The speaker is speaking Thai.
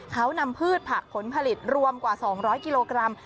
เขานำพืชผักผลผลิตรวมกว่า๒๐๐กิโลกรัม